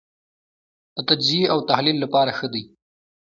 د تجزیې او تحلیل لپاره ښه دی.